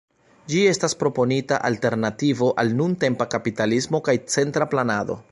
Ĝi estas proponita alternativo al nuntempa kapitalismo kaj centra planado.